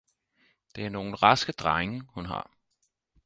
Det er nogle raske drenge, hun har!